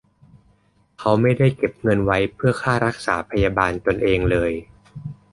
เขาไม่ได้เก็บเงินไว้เพื่อเป็นค่ารักษาพยาบาลตนเองเลย